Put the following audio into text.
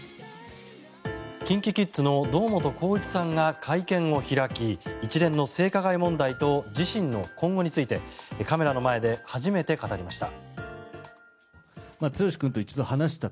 ＫｉｎＫｉＫｉｄｓの堂本光一さんが会見を開き一連の性加害問題と自身の今後についてカメラの前で初めて語りました。